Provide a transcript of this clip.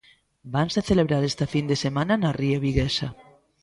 Vanse celebrar esta fin de semana na ría viguesa.